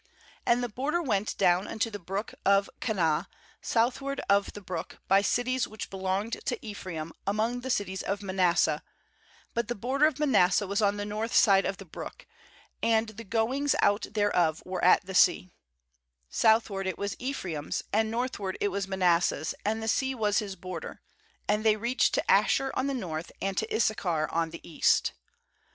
— 9And the border went down unto the brook of Kanah, south ward of the brook, by cities which be longed to Ephraim among the cities of Manasseh; but the border of Ma nasseh was on the north side of the brook; and the goings out thereof were at the sea: "southward it was Ephra im's, and northward it was Ma nasseh's, and the sea was his border; and they reached to Asher on the north, and to Issachar on the east.